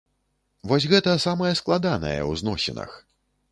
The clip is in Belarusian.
Вось гэта самае складанае ў зносінах.